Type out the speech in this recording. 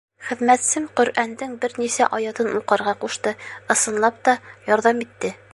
Хеҙмәтсем Ҡөрьәндең бер нисә аятын уҡырға ҡушты, ысынлап та, ярҙам итте.